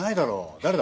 誰だ？